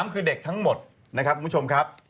คือเด็กทั้งหมดนะครับคุณผู้ชมครับ